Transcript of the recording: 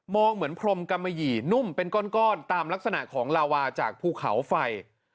เหมือนพรมกำมะหยี่นุ่มเป็นก้อนตามลักษณะของลาวาจากภูเขาไฟ